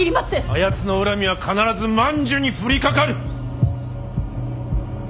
あやつの恨みは必ず万寿に降りかかる。